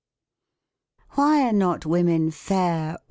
Why are not women fair.